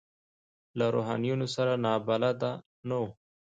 له روحانیونو سره نابلده نه وو.